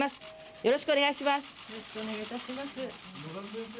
よろしくお願いします。